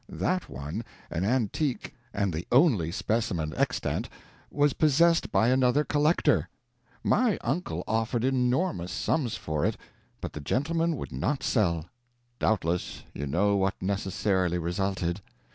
That one an antique, and the only specimen extant was possessed by another collector. My uncle offered enormous sums for it, but the gentleman would not sell. Doubtless you know what necessarily resulted.